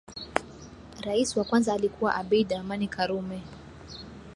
Rais wa kwanza alikuwa Abeid Amani Karume